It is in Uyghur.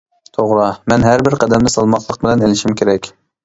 توغرا، مەن ھەر بىر قەدەمنى سالماقلىق بىلەن ئېلىشىم كېرەك.